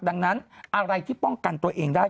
ดังนั้นอะไรที่ป้องกันตัวเองได้